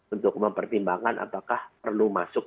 untuk mempertimbangkan apakah perlu masuk